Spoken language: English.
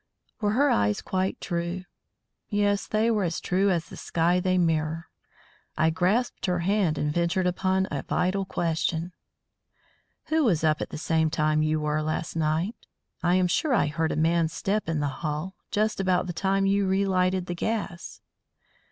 Were her eyes quite true? Yes, they were as true as the sky they mirror. I grasped her hand and ventured upon a vital question. "Who was up at the same time you were last night? I am sure I heard a man's step in the hall, just about the time you relighted the gas."